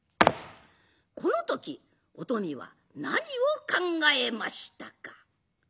この時お富は何を考えましたか。